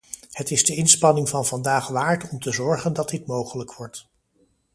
Het is de inspanning van vandaag waard om te zorgen dat dit mogelijk wordt.